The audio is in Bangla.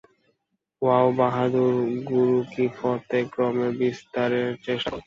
ওয়া বাহাদুর, গুরুকী ফতে! ক্রমে বিস্তারের চেষ্টা কর।